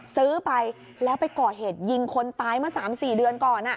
ซื้อไปแล้วไปก่อเหตุยิงคนตายเมื่อ๓๔เดือนก่อน